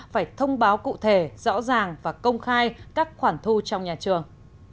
phải thông báo cụ thể rõ ràng và công khai các khoản thu trong nhà trường